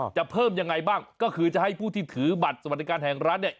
จะเพิ่มยังไงบ้างก็คือจะให้ผู้ที่ถือบัตรสวัสดิการแห่งรัฐเนี่ย